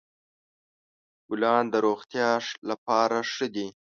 ګلان د روغتیا لپاره ښه دي.